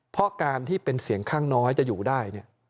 เพราะการที่เป็นเสียงข้างน้อยจะอยู่ได้